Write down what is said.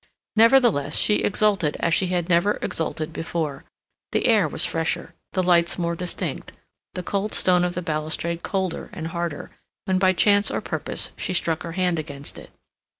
Nevertheless, she exulted as she had never exulted before. The air was fresher, the lights more distinct, the cold stone of the balustrade colder and harder, when by chance or purpose she struck her hand against it.